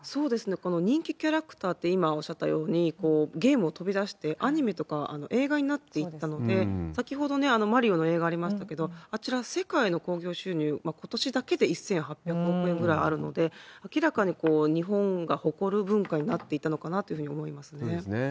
この人気キャラクターって、今おっしゃったように、ゲームを飛び出して、アニメとか映画になっていったので、先ほどね、マリオの映画ありましたけど、あちら、世界の興行収入、ことしだけで１８００億円ぐらいあるので、明らかに日本が誇る文化になっていったのかなというふうに思いまそうですね。